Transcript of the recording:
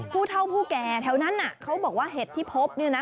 ผู้เท่าผู้แก่แถวนั้นเขาบอกว่าเห็ดที่พบเนี่ยนะ